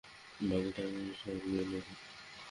বাকিটা আমি সামলে নেব।